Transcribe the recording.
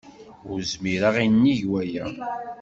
Ur zmireɣ i nnig waya.